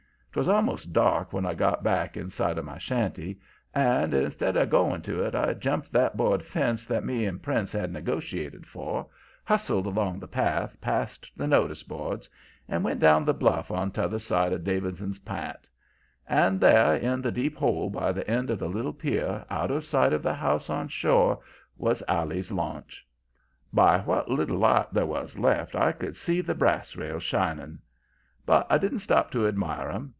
'Twas almost dark when I got back in sight of my shanty, and instead of going to it I jumped that board fence that me and Prince had negotiated for, hustled along the path past the notice boards, and went down the bluff on t'other side of Davidson's p'int. And there in the deep hole by the end of the little pier, out of sight of the house on shore, was Allie's launch. By what little light there was left I could see the brass rails shining. "But I didn't stop to admire 'em.